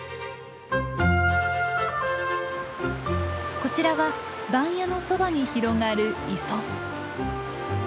こちらは番屋のそばに広がる磯。